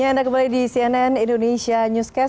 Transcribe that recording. ya anda kembali di cnn indonesia newscast